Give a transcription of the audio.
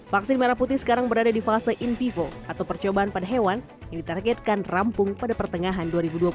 vaksin merah putih sekarang berada di fase in vivo atau percobaan pada hewan yang ditargetkan rampung pada pertengahan dua ribu dua puluh satu